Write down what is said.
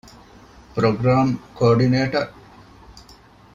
ޕްރޮގްރާމް ކޯޑިނޭޓަރ